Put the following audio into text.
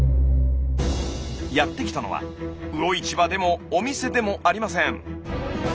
やって来たのは魚市場でもお店でもありません。